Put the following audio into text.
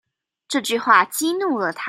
這句話激怒了他